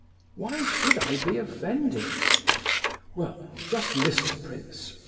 "Why should I be offended?" "Well, just listen, prince.